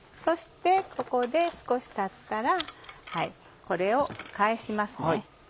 そしてここで少したったらこれを返しますね。